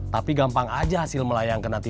hari ini kalau ada hal sampai saya macansi delapan belas